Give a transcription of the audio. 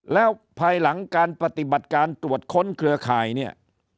แล้วภายหลังการปฏิบัติการตรวจค้นเครือข่ายเนี่ย